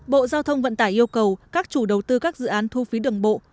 bộ giao thông vận tải yêu cầu các chủ đầu tư các dự án thu phí đường bộ